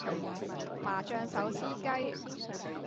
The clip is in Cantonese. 麻醬手撕雞